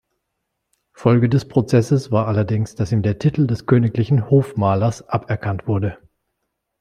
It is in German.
Folge des Prozesses war allerdings, dass ihm der Titel des königlichen Hofmalers aberkannt wurde.